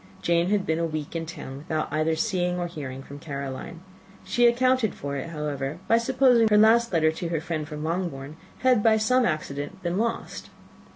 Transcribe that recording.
Jane had been a week in town, without either seeing or hearing from Caroline. She accounted for it, however, by supposing that her last letter to her friend from Longbourn had by some accident been lost.